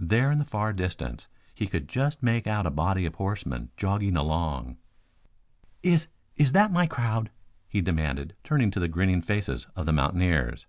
There in the far distance he could just make out a body of horsemen jogging along. "Is is that my crowd?" he demanded, turning to the grinning faces of the mountaineers.